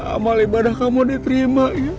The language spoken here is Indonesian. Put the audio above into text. amal ibadah kamu diterima